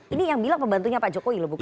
ini yang bilang pembantunya pak jokowi loh bukan